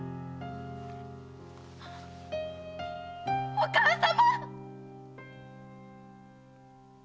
お母様‼